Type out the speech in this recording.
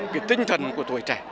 cái tinh thần của tuổi trẻ